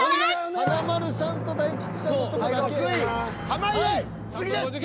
華丸さんと大吉さんのとこだけ。